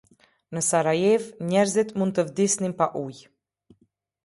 Në Sarajevë njerëzit mund të vdisnin pa ujë.